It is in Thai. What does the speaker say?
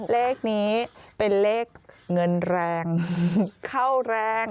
เลขนี้เป็นเลขเงินแรงเข้าแรง